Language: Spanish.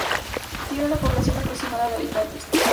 Tiene una población aproximada de habitantes.